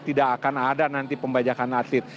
tidak akan ada nanti pembajakan atlet